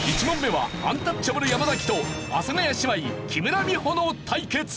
１問目はアンタッチャブル山崎と阿佐ヶ谷姉妹木村美穂の対決。